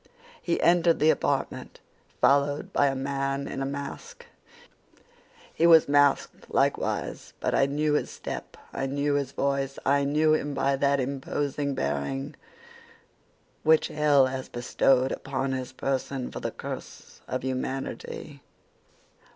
"He entered the apartment followed by a man in a mask. He was masked likewise; but I knew his step, I knew his voice, I knew him by that imposing bearing which hell has bestowed upon his person for the curse of humanity.